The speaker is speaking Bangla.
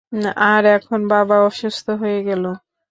আর এখন বাবাও অসুস্থ হয়ে গেল।